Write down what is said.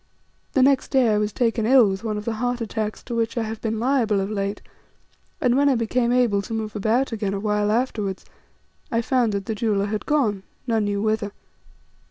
The next day I was taken ill with one of the heart attacks to which I have been liable of late, and when I became able to move about again a while afterwards, I found that this jeweller had gone, none knew whither.